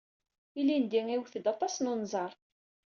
Ilindi, iwet-d aṭas n unẓar.